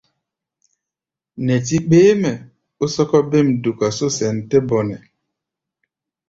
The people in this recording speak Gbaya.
Nɛtí ɓéémɛ ó sɔ́ká bêm duka só sɛn tɛ́ bɔnɛ.